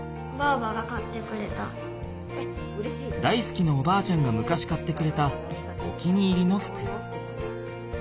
大すきなおばあちゃんが昔買ってくれたお気に入りの服。